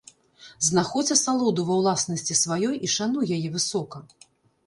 Знаходзь асалоду ва ўласнасці сваёй і шануй яе высока!